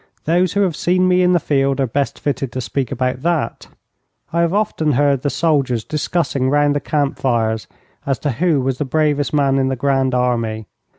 Those who have seen me in the field are best fitted to speak about that. I have often heard the soldiers discussing round the camp fires as to who was the bravest man in the Grand Army.